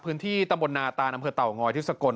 พื้นที่ตำบลนาตานอำเภอเต่างอยที่สกล